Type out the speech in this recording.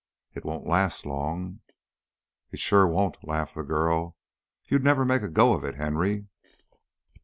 It won't last long " "I'm sure it won't," laughed the girl. "You'd never make a go of it, Henry."